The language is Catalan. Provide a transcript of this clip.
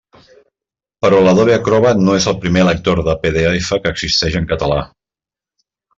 Però l'Adobe Acrobat no és el primer lector de PDF que existeix en català.